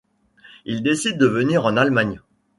Il décide de venir en Allemagne.